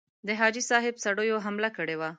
د حاجي صاحب سړیو حمله کړې وه.